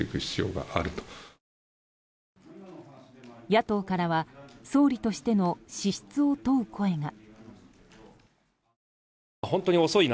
野党からは総理としての資質を問う声が。